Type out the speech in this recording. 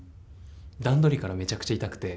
段取りからめちゃくちゃ痛くて。